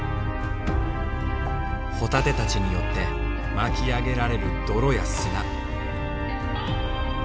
ホタテたちによって巻き上げられる泥や砂。